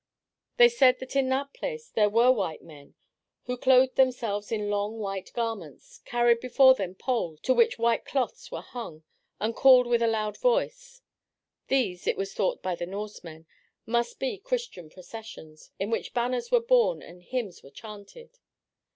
They said that in that place there were white men who clothed themselves in long white garments, carried before them poles to which white cloths were hung, and called with a loud voice. These, it was thought by the Norsemen, must be Christian processions, in which banners were borne and hymns were chanted.